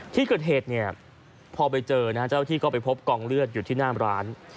ที่เกิดเหตุเนี่ยพอไปเจอนะฮะเจ้าที่ก็ไปพบกองเลือดอยู่ที่หน้าร้าน